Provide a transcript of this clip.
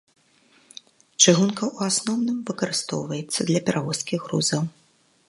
Чыгунка ў асноўным выкарыстоўваецца для перавозкі грузаў.